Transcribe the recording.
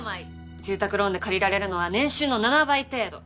住宅ローンで借りられるのは年収の７倍程度。